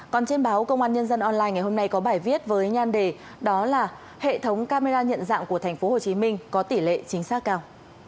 còn trên báo công an nhân dân online ngày hôm nay có bài viết với nhan đề đó là hệ thống camera nhận dạng của tp hcm có tỷ lệ chính xác cao